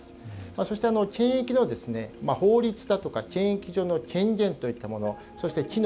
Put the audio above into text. そして検疫の法律だとか検疫所の権限といったものそして機能